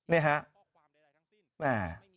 นี่ฮะ